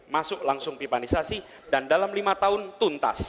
masuk langsung pipanisasi dan dalam lima tahun tuntas